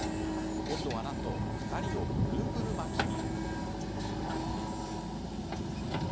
今度はなんと２人をぐるぐる巻きに。